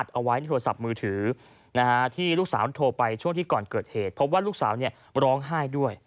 โดยเพื่อนที่ชื่อเป็ดคือเพื่อนผู้หญิงเนี่ย